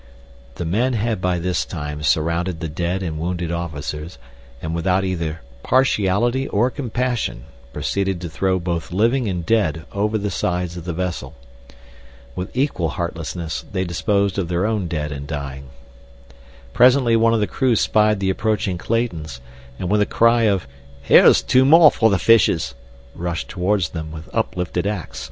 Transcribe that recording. The men had by this time surrounded the dead and wounded officers, and without either partiality or compassion proceeded to throw both living and dead over the sides of the vessel. With equal heartlessness they disposed of their own dead and dying. Presently one of the crew spied the approaching Claytons, and with a cry of: "Here's two more for the fishes," rushed toward them with uplifted ax.